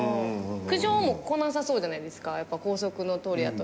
苦情も来なさそうじゃないですかやっぱ高速の通りやと。